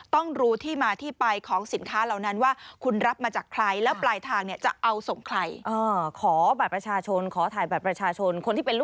ต้องรู้ที่มาที่ไปของสินค้าเหล่านั้น